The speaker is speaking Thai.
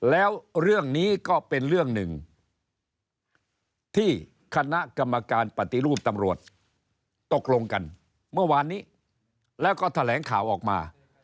แล้วเรื่องนี้ก็เป็นเรื่องหนึ่งที่คณะกรรมการปฏิรูปตำรวจตกลงกันเมื่อวานนี้แล้วก็แถลงข่าวออกมา